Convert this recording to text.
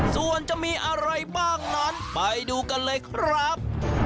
ส่วนจะมีอะไรบ้างนั้นไปดูกันเลยครับ